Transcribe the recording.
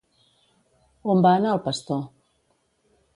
On va anar el pastor?